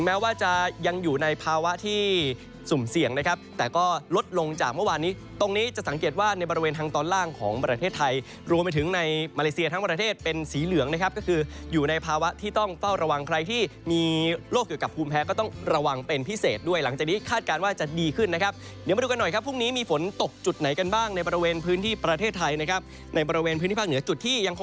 มาเลเซียทั้งประเทศเป็นสีเหลืองนะครับก็คืออยู่ในภาวะที่ต้องเฝ้าระวังใครที่มีโรคเกี่ยวกับภูมิแพ้ก็ต้องระวังเป็นพิเศษด้วยหลังจากนี้คาดการณ์ว่าจะดีขึ้นนะครับเดี๋ยวมาดูกันหน่อยครับพรุ่งนี้มีฝนตกจุดไหนกันบ้างในบริเวณพื้นที่ประเทศไทยนะครับในบริเวณพื้นที่ภาคเหนือก